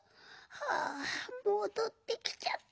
はあもどってきちゃった。